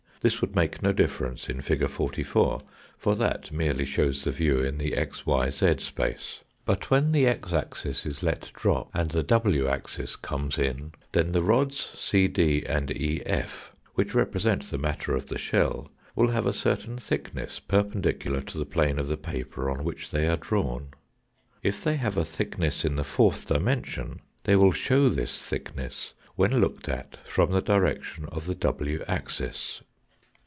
This would make no difference in fig. 44, for that merely shows the view in the xyz space. But when the x axis is let drop, and the w axis comes in, then the rods CD and EF which represent the matter of the shell, will have a certain thickness perpen dicular to the plane of the paper on which they are drawn. If they have a thickness in the fourth dimension they will show this thickness when looked at from the direction of the iv axis.